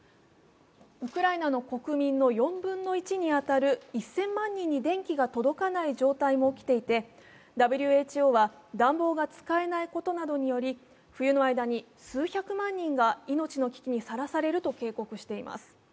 ウクライナの国民の４分の１に当たる１０００万人に電気が届かない状態も起きていて、ＷＨＯは冬の間、暖房などが使えない状況で数百万人が命の危機にさらされると警告しています。